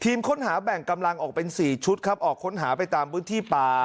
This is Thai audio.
ค้นหาแบ่งกำลังออกเป็น๔ชุดครับออกค้นหาไปตามพื้นที่ป่า